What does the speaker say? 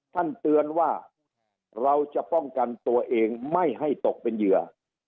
ท่านเตือนว่าเราจะป้องกันตัวเองไม่ให้ตกเป็นเหยื่อ